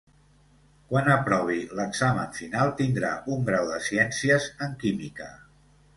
Quan aprovi l'examen final tindrà un grau de ciències en química.